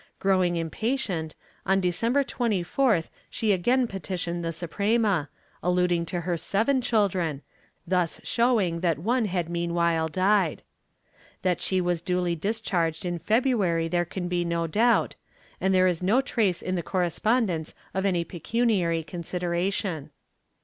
Growing impatient, on December 24th, she again petitioned the Suprema, alluding to her seven children, thus showing that one had meanwhile died. That she was duly discharged in February there can be no doubt, and there is no trace in the cor respondence of any pecuniary consideration.